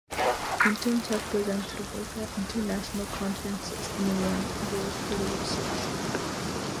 Interns have presented work at international conferences and won awards for their research.